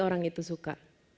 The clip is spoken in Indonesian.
orang itu suka